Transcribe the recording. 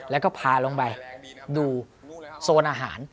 แล้วก็พาลงไปดูโซนอาหาร